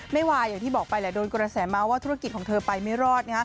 ไม่วายอย่างที่บอกไปแหละโดนกระแสมาว่าธุรกิจของเธอไปไม่รอด